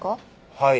はい。